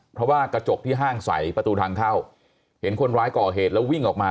เพราะว่ากระจกที่ห้างใส่ประตูทางเข้าเห็นคนร้ายก่อเหตุแล้ววิ่งออกมา